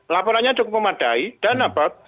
laporannya cukup memadai dan apa